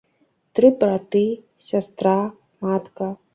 Тры браты, сястра, матка.